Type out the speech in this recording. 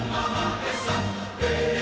dalam satu hari